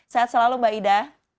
sehat selalu mbak ida